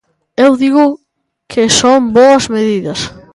Eu digo que son boas medidas.